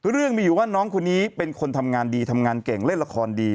เรื่องมีอยู่ว่าน้องคนนี้เป็นคนทำงานดีทำงานเก่งเล่นละครดี